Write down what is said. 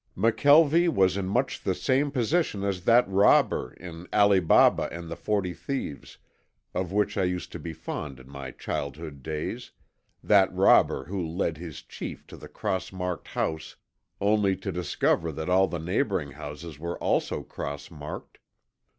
McKelvie was in much the same position as that robber in "Ali Baba and the Forty Thieves," of which I used to be fond in my childhood days, that robber who led his chief to the cross marked house only to discover that all the neighboring houses were also cross marked.